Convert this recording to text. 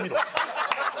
ハハハハ！